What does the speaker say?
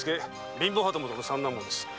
貧乏旗本の三男坊。